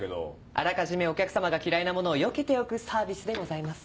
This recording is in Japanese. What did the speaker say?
あらかじめお客様が嫌いなものをよけておくサービスでございます。